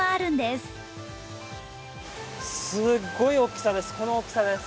すごい大きさです。